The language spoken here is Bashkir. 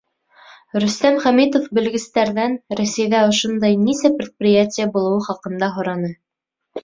Рөстәм Хәмитов белгестәрҙән Рәсәйҙә ошондай нисә предприятие булыуы хаҡында һораны.